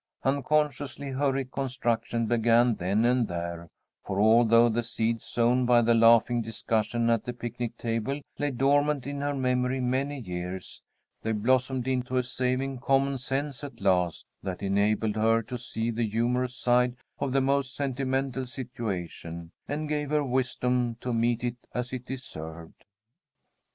Unconsciously her reconstruction began then and there, for although the seeds sown by the laughing discussion at the picnic table lay dormant in her memory many years, they blossomed into a saving common sense at last, that enabled her to see the humorous side of the most sentimental situation, and gave her wisdom to meet it as it deserved.